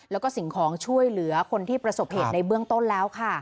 แล้วก็สิ่งของช่วยเหลือคนที่ประสบเหตุในเบื้องต้นแล้วค่ะ